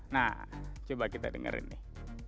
nah coba kita dengerin nih